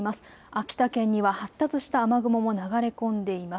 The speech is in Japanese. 秋田県には発達した雨雲も流れ込んでいます。